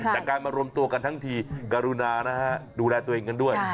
แต่การมารวมตัวกันทั้งทีกรุณานะฮะดูแลตัวเองกันด้วย